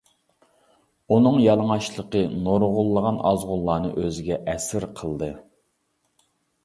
ئۇنىڭ يالىڭاچلىقى نۇرغۇنلىغان ئازغۇنلارنى ئۆزىگە ئەسىر قىلدى.